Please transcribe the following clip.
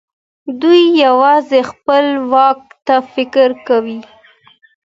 دوی يوازې خپل واک ته فکر کاوه.